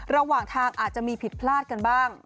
ระหว่างทางอาจจะมีผิดพลาดกันบ้าง